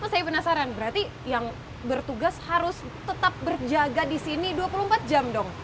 saya penasaran berarti yang bertugas harus tetap berjaga di sini dua puluh empat jam dong